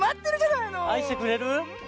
あいしてくれる？